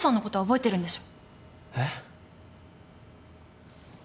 家のことは覚えてるんでしょ？